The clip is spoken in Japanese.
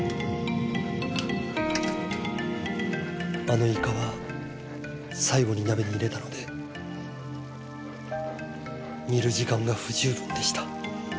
あのイカは最後に鍋に入れたので煮る時間が不十分でした。